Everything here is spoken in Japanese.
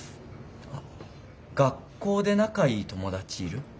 あっ学校で仲いい友達いる？